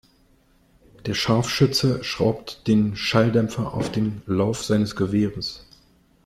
Der Scharfschütze schraubt den Schalldämpfer auf den Lauf seines Gewehres.